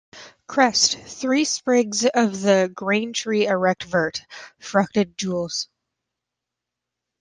Crest, three sprigs of the graintree erect Vert, fructed Gules.